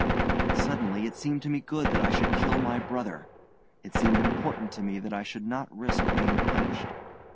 Suddenly it seemed to me good that I should kill my brother. It seemed important to me that I should not risk being punished.